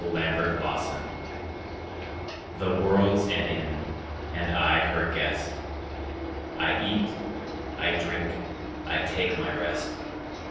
Y Z On the World THE world's an Inn; and I her guest. I eat; I drink; I take my rest.